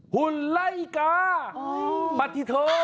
หุ่นไร่กาบัตถิโท